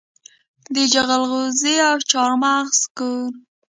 د جلغوزي او چارمغز کور.